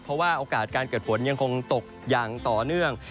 เพราะว่าโอกาสการเกิดฝนยังคงตกอย่างต่อเนื่อง